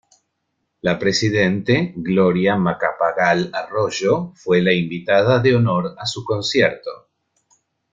La presidente Gloria Macapagal Arroyo, fue la invitada de honor a su concierto.